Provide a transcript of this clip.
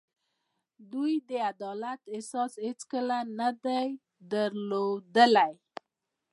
دوی د عدالت احساس هېڅکله نه دی درلودلی.